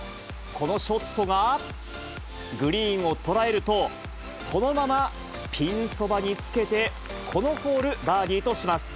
このショットが、グリーンを捉えると、そのままピンそばにつけて、このホール、バーディーとします。